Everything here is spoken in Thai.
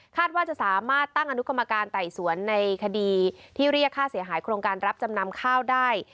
ว่าจะสามารถตั้งอนุกรรมการไต่สวนในคดีที่เรียกค่าเสียหายโครงการรับจำนำข้าวได้